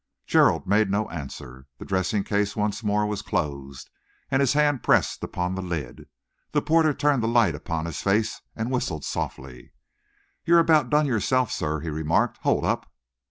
Gerald made no answer. The dressing case once more was closed, and his hand pressed upon the lid. The porter turned the light upon his face and whistled softly. "You're about done yourself, sir," he remarked. "Hold up."